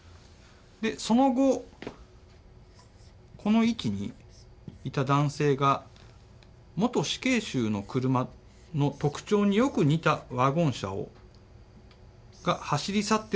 その後この域にいた男性が元死刑囚の車の特徴によく似たワゴン車が走り去ってるのを見ている。